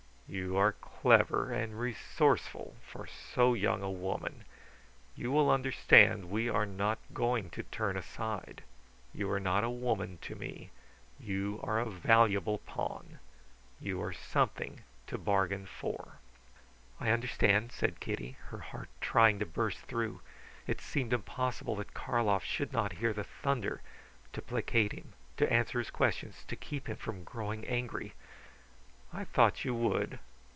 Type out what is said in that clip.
You are clever and resourceful for so young a woman. You will understand that we are not going to turn aside. You are not a woman to me; you are a valuable pawn. You are something to bargain for." "I understand," said Kitty, her heart trying to burst through. It seemed impossible that Karlov should not hear the thunder. To placate him, to answer his questions, to keep him from growing angry! "I thought you would."